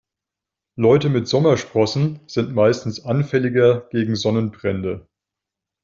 Leute mit Sommersprossen sind meistens anfälliger gegen Sonnenbrände.